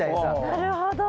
なるほど。